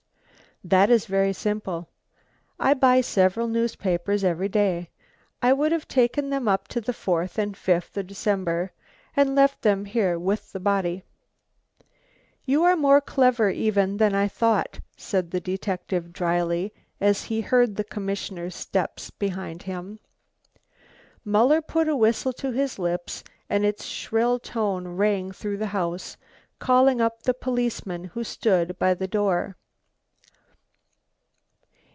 "That is very simple. I buy several newspapers every day. I would have taken them up to the fourth and fifth of December and left them here with the body." "You are more clever even than I thought," said the detective dryly as he heard the commissioner's steps behind him. Muller put a whistle to his lips and its shrill tone ran through the house, calling up the policeman who stood by the door.